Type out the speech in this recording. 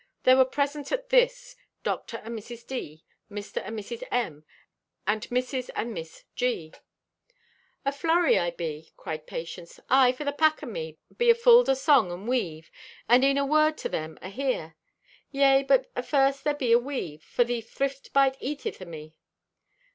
There were present at this Dr. and Mrs. D., Mr. and Mrs. M. and Mrs. and Miss G. "Aflurry I be!" cried Patience. "Aye, for the pack o' me be afulled o' song and weave, and e'en word to them ahere. "Yea, but afirst there be a weave, for the thrift bite eateth o' me."